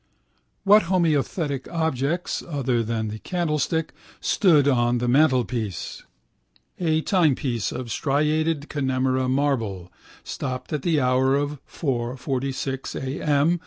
What homothetic objects, other than the candlestick, stood on the mantelpiece? A timepiece of striated Connemara marble, stopped at the hour of 4.46 a.m.